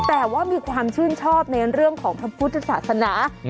แต่ว่ามีความชื่นชอบในเรื่องของพระพุทธศาสนา